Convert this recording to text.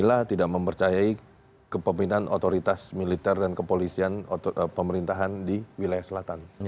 kita tidak mempercayai kepemimpinan otoritas militer dan kepolisian pemerintahan di wilayah selatan